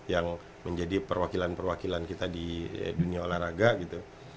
yang menjadi perwakilan perwakilan kita di dunia olahraga gitu